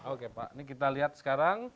oke pak ini kita lihat sekarang